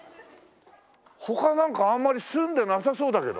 他なんかあんまり住んでなさそうだけど。